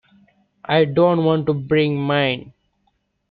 I don't want to bring mine.